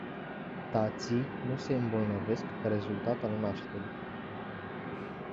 Tații nu se îmbolnăvesc ca rezultat al nașterii.